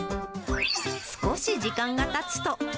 少し時間がたつと。